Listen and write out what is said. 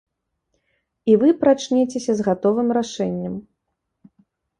І вы прачнецеся з гатовым рашэннем.